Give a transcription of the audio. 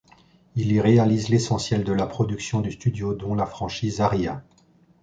Il y réalise l'essentiel de la production du studio dont la franchise Aria.